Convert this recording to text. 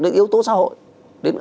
đến yếu tố xã hội